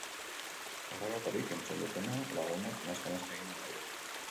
Horrelakorik entzun dutena lagunak nazka-nazka eginda daude.